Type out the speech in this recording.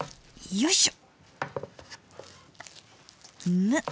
よいしょ！